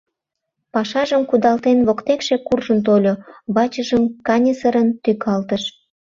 Пашажым кудалтен, воктекше куржын тольо, вачыжым каньысырын тӱкалтыш.